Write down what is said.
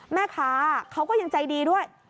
แม่ค้าเขาก็ยังใจดีด้วย